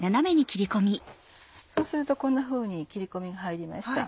そうするとこんなふうに切り込みが入りました。